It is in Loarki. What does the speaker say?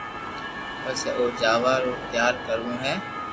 پسي او جاوا رو تيارو ڪرو ھي